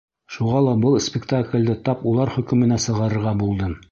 Шуға ла был спектаклде тап улар хөкөмөнә сығарырға булдым.